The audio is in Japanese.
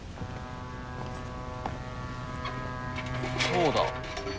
そうだ。